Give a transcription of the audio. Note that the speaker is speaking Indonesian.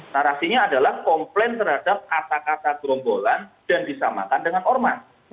narasinya adalah komplain terhadap kata kata gerombolan dan disamakan dengan ormas